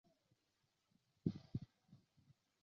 它在酒精饮料的生产过程中用作杀菌剂。